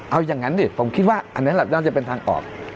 เอาอย่างนั้นดิผมคิดว่าอันนั้นแหละน่าจะเป็นทางออก